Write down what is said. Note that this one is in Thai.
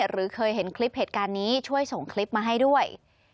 หรือเคยเห็นคลิปเหตุการณ์นี้ช่วยส่งคลิปมาให้ด้วย